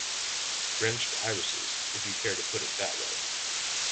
Drenched irises, if you care to put it that way.